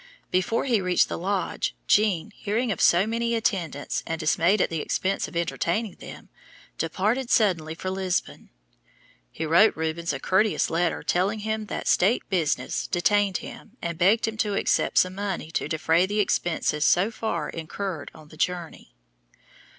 Before he reached the lodge Jean, hearing of so many attendants, and dismayed at the expense of entertaining them, departed suddenly for Lisbon. He wrote Rubens a courteous letter telling him that state business detained him and begged him to accept some money to defray the expenses so far incurred on the journey.